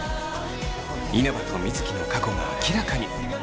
稲葉と水城の過去が明らかに。